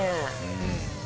うん。